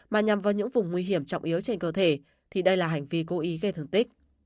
mà nhằm vào những vùng nguy hiểm trọng yếu trên cơ thể thì đây là hành vi cố ý gây thương tích